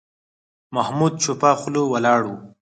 محمود چوپه خوله ولاړ و.